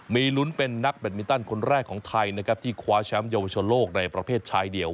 มีลุ้นเป็นนักแบตมินตันคนแรกของไทยนะครับที่คว้าแชมป์เยาวชนโลกในประเภทชายเดียว